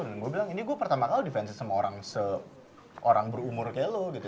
dan gue bilang ini gue pertama kali ngefansin sama orang berumur kayak lo gitu